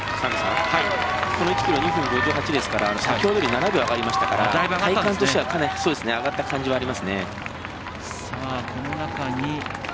この１ｋｍ２分５８ですから先ほどより７秒上がりましたから体感としてはかなり上がった感じはありますね。